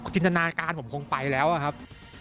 จินตนาการผมคงไปแล้วครับ